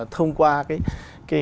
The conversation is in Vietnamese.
thông qua cái